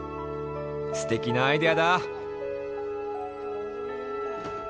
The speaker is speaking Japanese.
すてきなアイデアだ！